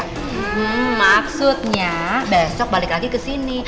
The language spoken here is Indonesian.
hmm maksudnya besok balik lagi kesini